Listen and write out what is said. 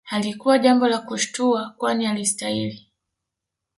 Halikuwa jambo la kushtua kwani alistahili